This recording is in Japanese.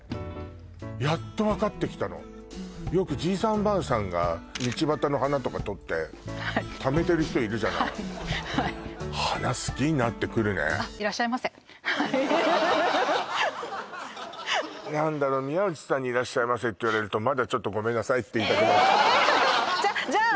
やっとわかってきたのよくじいさんばあさんが道端の花とか撮ってためてる人いるじゃないはい何だろう宮内さんにいらっしゃいませって言われるとまだちょっとごめんなさいって言いたくなっちゃうじゃあ！